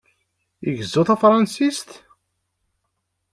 Igezzu tafṛensist?